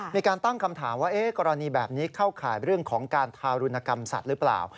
มีการตั้งคำถามว่ากรณีแบบนี้เข้าข่ายเรื่องของการทารุณกรรมสัตว์หรือเปล่า